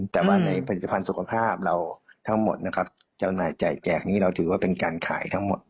แต่ว่าในผลิตภัณฑ์สุขภาพเราทั้งหมดนะครับจำหน่ายจ่ายแจกนี้เราถือว่าเป็นการขายทั้งหมด